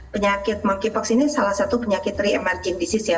penyakit monkeypox ini salah satu penyakit re emerging disease ya